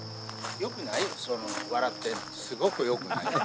よくないよ、その笑ってるの、すごくよくないよ。